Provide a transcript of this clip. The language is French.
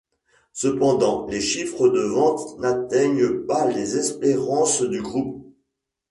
Cependant, les chiffres de vente n'atteignent pas les espérances du groupe.